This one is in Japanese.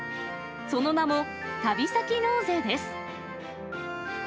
その名も、旅先納税です。